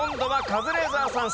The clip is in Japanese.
カズレーザーさん。